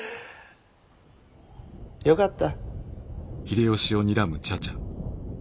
よかった。